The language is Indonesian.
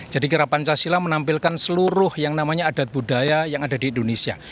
jadi kira pancasila menampilkan seluruh yang namanya adat budaya yang ada di indonesia